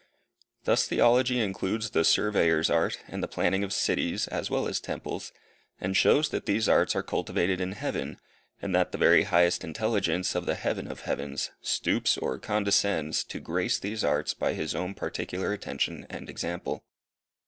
Thus Theology includes the surveyor's art, and the planning of cities, as well as temples, and shows that these arts are cultivated in heaven, and that the very highest Intelligence of the Heaven of heavens, stoops, or condescends, to grace these arts by His own particular attention and example.